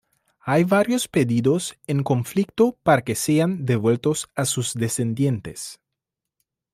Hay varios pedidos en conflicto para que sean devueltos a sus descendientes.